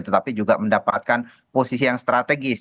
tetapi juga mendapatkan posisi yang strategis